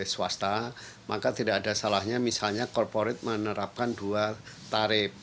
swasta maka tidak ada salahnya misalnya korporat menerapkan dua tarif